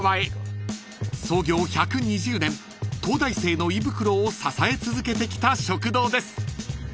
［創業１２０年東大生の胃袋を支え続けてきた食堂です］